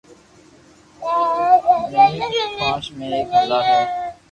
مير ئوخاس مي ايڪ بزار هي